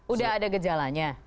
udah ada gejalanya